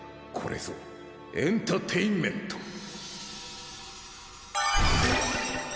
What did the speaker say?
これぞエンターテインメント。